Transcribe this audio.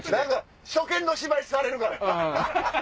初見の芝居されるから。